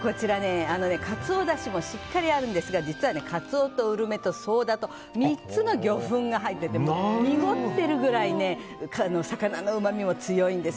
かつおだしもしっかりあるんですが実はカツオとうるめと、そうだと３つの魚粉が入っていて濁ってるぐらい魚のうまみも強いんです。